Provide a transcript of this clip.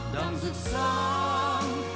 đảng dự sáng